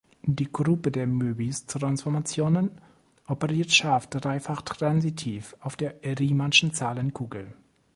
Die Gruppe der Möbiustransformationen operiert scharf dreifach transitiv auf der riemannschen Zahlenkugel.